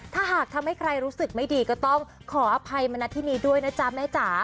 ถ้าหากทำให้ใครรู้สึกไม่ดีก็ต้องขออภัยมณฑินีด้วยนะจ๊ะแม่จ๋า